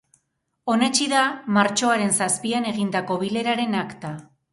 Onetsi da martxoaren zazpian egindako bileraren akta.